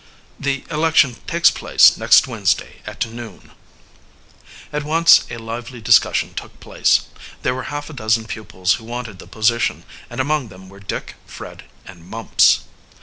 The election takes place next Wednesday at noon." At once a lively discussion took place. There were half a dozen pupils who wanted the position, and among them were Dick, Fred, and Mumps.